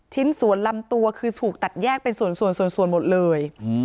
ชิ้นส่วนลำตัวคือถูกตัดแยกเป็นส่วนหมดเลย